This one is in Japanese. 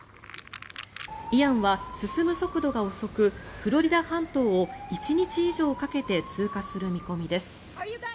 イアンは進む速度が遅くフロリダ半島を１日以上かけて通過する見込みです。